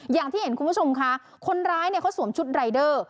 อย่างที่เห็นคุณผู้ชมค่ะคนร้ายเนี่ยเขาสวมชุดรายเดอร์